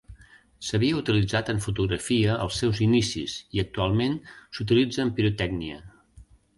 S'havia utilitzat en fotografia als seus inicis i actualment s'utilitza en pirotècnia.